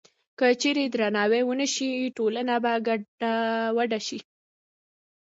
که چېرې درناوی ونه شي، ټولنه به ګډوډه شي.